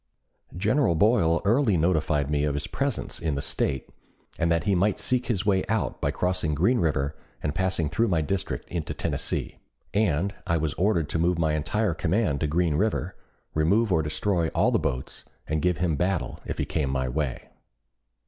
General Boyle early notified me of his presence in the State, and that he might seek his way out by crossing Green River and passing through my district into Tennessee; and I was ordered to move my entire command to Green River, remove or destroy all the boats, and give him battle if he came my way.